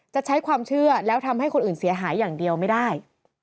จะใช้ความเชื่อแล้วทำให้คนอื่นเสียหายอย่างเดียวไม่ได้